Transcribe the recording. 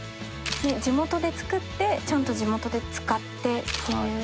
地元で作ってちゃんと地元で使って。